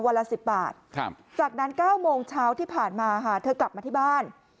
วันละสิบบาทจากนั้นเก้าโมงเช้าที่ผ่านมาเธอกลับมาที่บ้าน